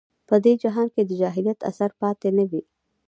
په دې جهان کې د جاهلیت اثر پاتې نه وي.